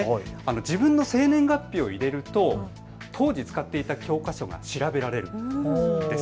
自分の生年月日を入れると当時使っていた教科書が調べられるんです。